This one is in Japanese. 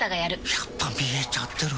やっぱ見えちゃてる？